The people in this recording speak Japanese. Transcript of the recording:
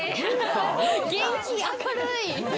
元気、明るい。